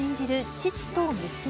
父と娘。